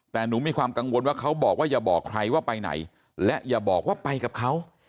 แต่หนูมีความกังวลว่าเขาบอกว่าอย่าบอกใครว่าไปไหนและอย่าบอกว่าไปกับเขา